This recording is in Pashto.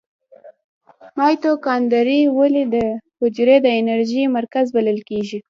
مایتوکاندري ولې د حجرې د انرژۍ مرکز بلل کیږي؟